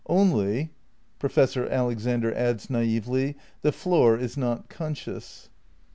Only,"' Professor Alexander adds naively, "the floor is not conscious.